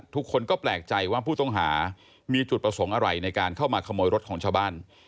ทุกคนก็แปลกใจว่าผู้ต้องหามีจุดประสงค์อะไรในการเข้ามาขโมยรถของชาวบ้าน